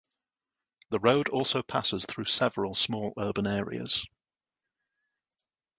The road also passes through several small urban areas.